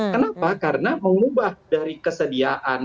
kenapa karena mengubah dari kesediaan